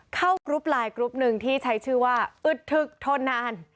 กรุ๊ปไลน์กรุ๊ปหนึ่งที่ใช้ชื่อว่าอึดทึกทนนาน